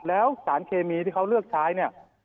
แล้วสารเคมีที่เขาเลือกใช้เนี่ย